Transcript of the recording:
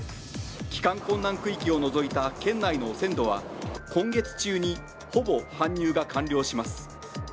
帰還困難区域を除いた県内の汚染土は今月中にほぼ搬入が完了します。